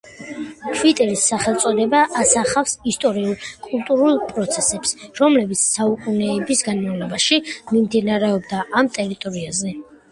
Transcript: ქვიტირის სახელწოდება ასახავს ისტორიულ-კულტურულ პროცესებს, რომლებიც საუკუნეების განმავლობაში მიმდინარეობდა ამ ტერიტორიაზე.